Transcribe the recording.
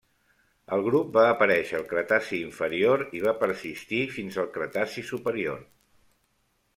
El grup va aparèixer al Cretaci inferior i va persistir fins al Cretaci superior.